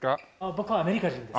僕はアメリカ人です。